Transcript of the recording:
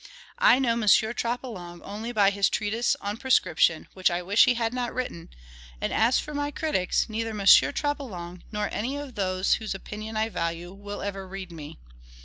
I know M. Troplong only by his "Treatise on Prescription," which I wish he had not written; and as for my critics, neither M. Troplong, nor any of those whose opinion I value, will ever read me.